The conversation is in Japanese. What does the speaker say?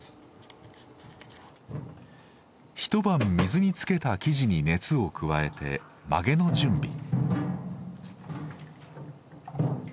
一晩水につけた木地に熱を加えて曲げの準備。